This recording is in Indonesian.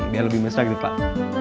biar lebih besar gitu pak